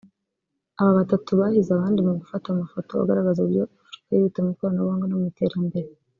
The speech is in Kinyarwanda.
Aba batatu bahize abandi mu gufata amafoto agaragaza uburyo Afurika yihuta mu ikoranabuhanga no mu iterambere